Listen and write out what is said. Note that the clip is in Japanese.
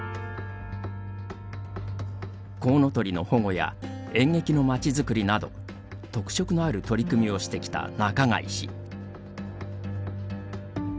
コウノトリの保護や演劇のまちづくりなど特色のある取り組みをしてきた中貝氏。